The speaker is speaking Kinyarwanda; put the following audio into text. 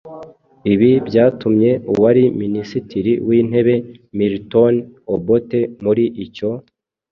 Ibi byatumye uwari Minisitiri w’Intebe Milton Obote muri icyo